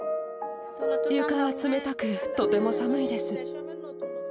床は冷たく、とても寒いです。